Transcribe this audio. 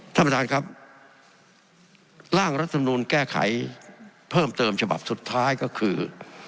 ท่านประธานครับร่างรัฐมนูลแก้ไขเพิ่มเติมฉบับสุดท้ายก็คือ